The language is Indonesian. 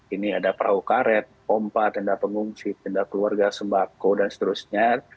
ini ada perahu karet pompa tenda pengungsi tenda keluarga sembako dan seterusnya